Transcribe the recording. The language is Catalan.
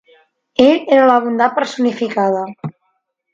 Ell era la bondat personificada.